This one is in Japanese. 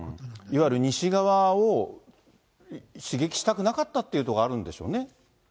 いわゆる西側を刺激したくなかったっていうところはあるんでしょうね。